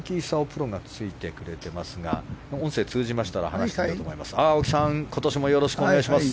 プロがついてくれてますが音声、通じましたら話したいと思います。